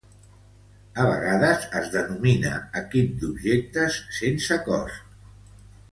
A vegades es denomina equip d'objectes sense cost.